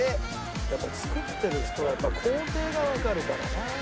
やっぱ作ってる人は工程がわかるからな。